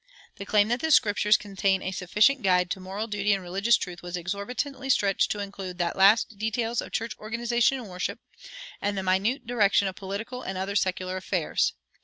The claim that the Scriptures contain a sufficient guide to moral duty and religious truth was exorbitantly stretched to include the last details of church organization and worship, and the minute direction of political and other secular affairs.